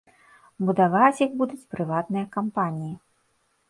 Будаваць іх будуць прыватныя кампаніі.